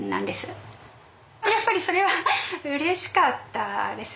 やっぱりそれはうれしかったです。